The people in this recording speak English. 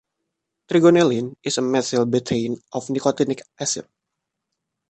Trigonelline is a methyl betaine of nicotinic acid.